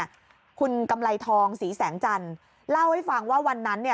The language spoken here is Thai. ใช้ไข่ไก่คุณกำไรทองสีแสงจันทร์เล่าให้ฟังว่าวันนั้น